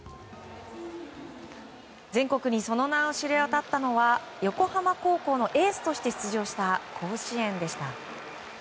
全国にその名が知れ渡ったのは横浜高校のエースとして出場した甲子園でした。